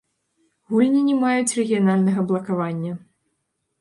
Гульні не маюць рэгіянальнага блакавання.